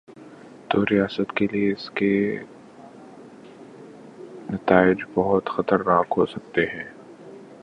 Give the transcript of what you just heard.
توریاست کے لیے اس کے نتائج بہت خطرناک ہو سکتے ہیں۔